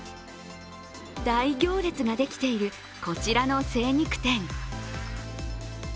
大行列ができているこちらの精肉店。